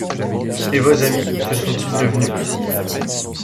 Et vos amis, que sont-ils devenus?